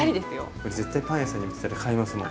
これ絶対パン屋さんに売ってたら買いますもん。